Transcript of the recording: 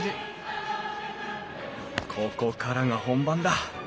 ここからが本番だ。